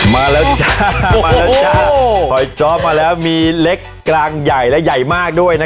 มาแล้วจ้ามาแล้วจ้าถอยจ๊อบมาแล้วมีเล็กกลางใหญ่และใหญ่มากด้วยนะ